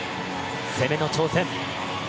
攻めの挑戦。